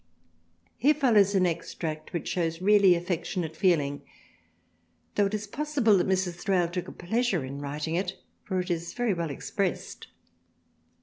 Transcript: Here follows an extract which shews really affec ^ 36 THRALIANA tionate feeling though it is possible that Mrs. Thrale took a pleasure in writing it, for it is very well ex pressed.